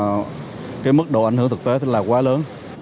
cái mức độ ảnh hưởng thực tế tức là quá lớn